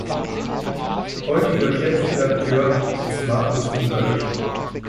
Heutiger Chefredakteur ist Markus Wunderlich.